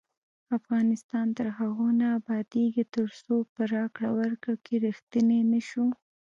افغانستان تر هغو نه ابادیږي، ترڅو په راکړه ورکړه کې ریښتیني نشو.